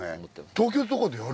東京とかでやる？